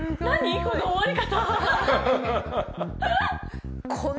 この終わり方！